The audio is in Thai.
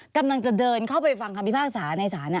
กำลังจะเดินเข้าไปฟังคำพิพากษาในศาล